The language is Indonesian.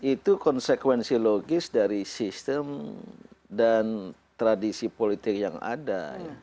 itu konsekuensi logis dari sistem dan tradisi politik yang ada